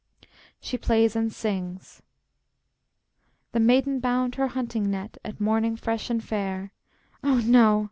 [She plays and sings.] The maiden bound her hunting net At morning fresh and fair Ah, no!